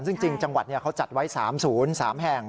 ซึ่งจริงจังหวัดเขาจัดไว้๓๐๓แห่ง